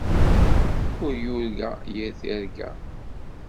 Ur yurga yir tirga.